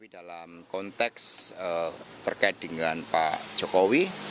dalam konteks terkait dengan pak jokowi